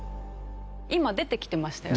今出てきてましたよね